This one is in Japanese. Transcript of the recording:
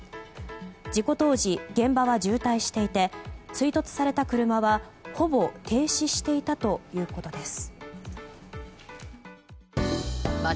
事故当時、現場は渋滞していて追突された車はほぼ停止していたということです。